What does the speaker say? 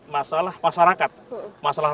masalah masyarakat masalah